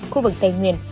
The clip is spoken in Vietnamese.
khu vực tây nguyên